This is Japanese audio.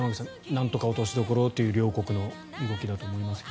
なんとか落としどころをという両国の動きだと思いますが。